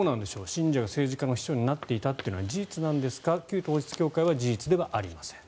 信者が政治家の秘書になっていたのは事実なんですか旧統一教会は事実ではありません。